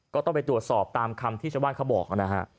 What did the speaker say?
ก็ต้องไปตรวจสอบตามคำที่ชาวบ้านเขาบอกนะฮะ